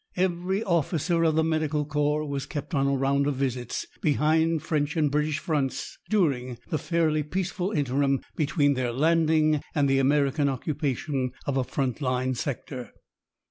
Every officer of the Medical Corps was kept on a round of visits behind French and British fronts during the fairly peaceful interim between their landing and the American occupation of a front line sector.